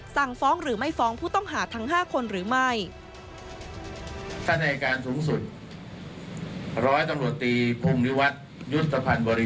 สั่งฟ้องหรือไม่ฟ้องผู้ต้องหาทั้ง๕คนหรือไม่